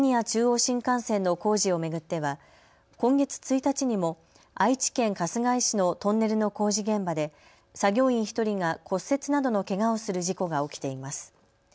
中央新幹線の工事を巡っては今月１日にも愛知県春日井市のトンネルの工事現場で作業員１人が骨折などのけがをする事故が起きています。